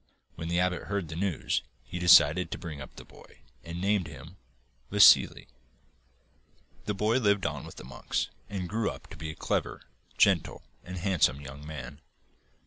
When the abbot heard the news, he decided to bring up the boy, and named him 'Vassili.' The boy lived on with the monks, and grew up to be a clever, gentle, and handsome young man.